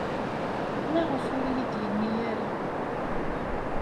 Maɣef ur iyi-d-yenni ara?